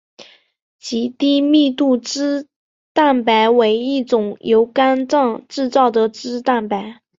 极低密度脂蛋白为一种由肝脏制造的脂蛋白。